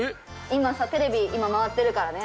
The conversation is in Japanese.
今さテレビ回ってるからね。